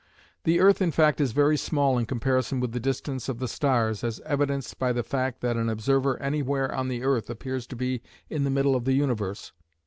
The earth in fact is very small in comparison with the distance of the stars, as evidenced by the fact that an observer anywhere on the earth appears to be in the middle of the universe.